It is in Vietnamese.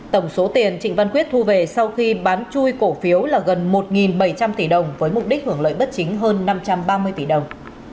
tổng số tiền trịnh văn quyết thu về sau khi bán chui cổ phiếu là gần một bảy trăm linh tỷ đồng với mục đích hưởng lợi bất chính hơn năm trăm ba mươi tỷ đồng